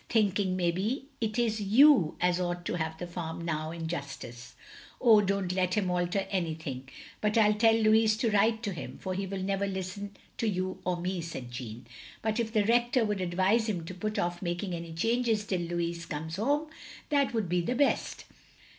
Thinking maybe 't is you as ought to have the farm now, in justice." "Oh, don't let him alter anything. But I'll tell Lotiis to write to him, for he will never listen to you or me, " said Jeanne. " But if the Rector would advise him to put off making any changes till Louis comes home, that would be the best.